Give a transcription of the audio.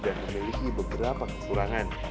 dan memiliki beberapa kekurangan